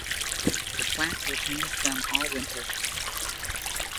The plant retains them all winter.